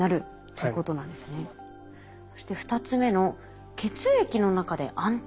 そして２つ目の「血液の中で安定」。